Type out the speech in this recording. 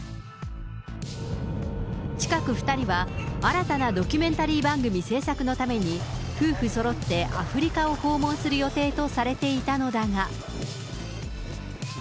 近く２人は、新たなドキュメンタリー番組制作のために、夫婦そろってアフリカを訪問する予定とされていたのだが。